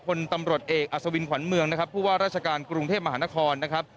คนตำรวจเอกอัศวินขวัญเมืองนะครับผู้ว่าราชการกรุงเทพมหานครนะครับ